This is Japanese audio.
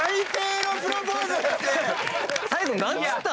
最後何つった？